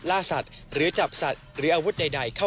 จอบประเด็นจากรายงานของคุณศักดิ์สิทธิ์บุญรัฐครับ